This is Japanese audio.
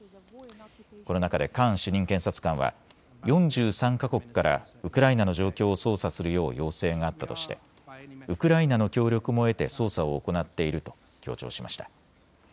この中でカーン主任検察官は４３か国からウクライナの状況を捜査するよう要請があったとしてウクライナの協力も得て捜査を行っていると強調しました。